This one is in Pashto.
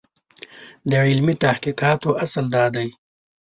د علمي تحقیقاتو اصل دا دی.